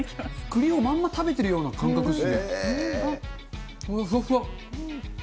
栗をまんま食べてるような感覚ですね。